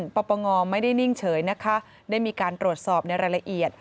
ปปงไม่ได้นิ่งเฉยนะคะได้มีการตรวจสอบในรายละเอียด